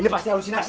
ini pasti halusinasi